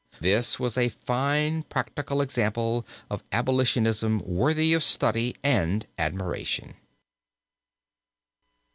This was a fine practical example of Abolitionism worthy of study and admiration.